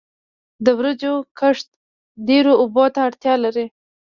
د وریجو کښت ډیرو اوبو ته اړتیا لري.